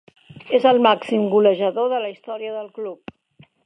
És el màxim golejador de la història del club.